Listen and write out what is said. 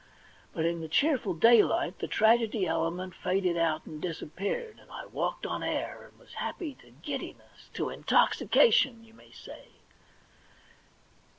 But in the cheerful daylight the tragedy element faded out and disappeared, and I walked on air, and was happy to giddiness, to intoxication, you may say.